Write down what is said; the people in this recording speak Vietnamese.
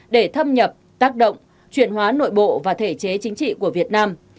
để thâm nhập tác động chuyển hóa nội bộ và thể chế chính trị của việt nam